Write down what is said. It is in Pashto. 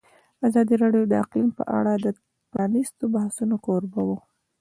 ازادي راډیو د اقلیم په اړه د پرانیستو بحثونو کوربه وه.